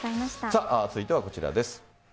続いてはこちらです。